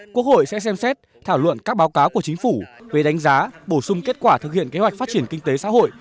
quốc hội sẽ xem xét thảo luận các báo cáo của chính phủ về đánh giá bổ sung kết quả thực hiện kế hoạch phát triển kinh tế xã hội